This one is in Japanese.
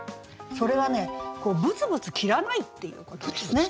それはねこうブツブツ切らないっていうことですね。